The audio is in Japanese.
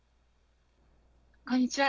こんにちは。